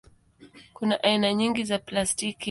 Kuna aina nyingi za plastiki.